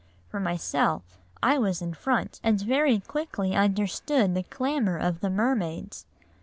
For myself, I was in front, and very quickly understood the clamour of the mermaids.